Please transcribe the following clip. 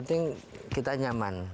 dan kemampuan kita juga aman